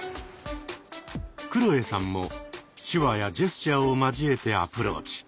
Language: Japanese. くろえさんも手話やジェスチャーを交えてアプローチ。